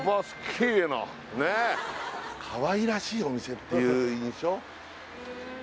かわいらしいお店っていう印象？